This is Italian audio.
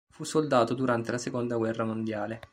Fu soldato durante la seconda guerra mondiale.